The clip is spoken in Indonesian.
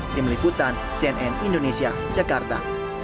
tim liputan cnn indonesia jakarta